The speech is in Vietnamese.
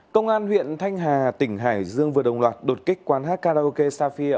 công an huyện thanh hà tỉnh hải dương vừa đồng loạt đột kích quán hát karaoke safia